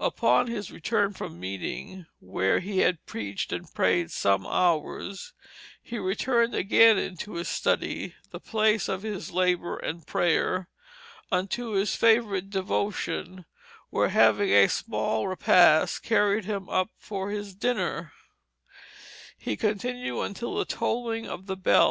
Upon his return from meeting (where he had preached and prayed some hours), he returned again into his study (the place of his labor and prayer), unto his favorite devotion; where having a small repast carried him up for his dinner, he continued until the tolling of the bell.